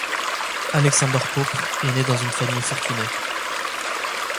Alexander Pope est né dans une famille fortunée.